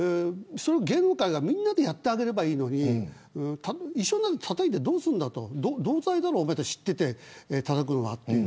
芸能界がみんなでやってあげればいいのに一緒になってたたいてどうすんだと同罪だろ、おまえたち知っていてたたくのは。